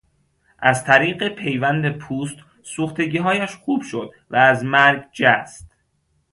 از طریق پیوند پوست سوختگیهایش خوب شد و از مرگ جست.